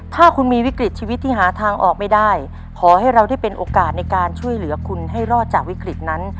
ถ้าคุณมีวิกฤตชีวิตที่หาทางออกไม่ได้ขอให้เราได้เป็นโอกาสในการช่วยเหลือคุณให้รอดจากวิกฤตนั้น